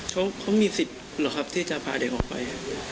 เขามีสิทธิ์เหรอครับที่จะพาเด็กออกไป